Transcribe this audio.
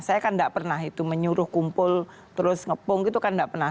saya kan tidak pernah itu menyuruh kumpul terus ngepung gitu kan nggak pernah